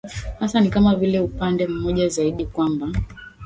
hasa ni kama vile upande mmoja zaidi kwamba